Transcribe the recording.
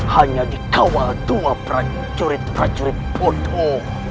hanya di kawal dua prajurit prajurit bodoh